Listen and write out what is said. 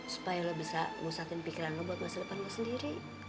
supaya lo bisa musahin pikiran lo buat masa depan lo sendiri